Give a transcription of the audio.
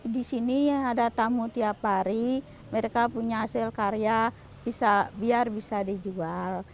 di sini ada tamu tiap hari mereka punya hasil karya biar bisa dijual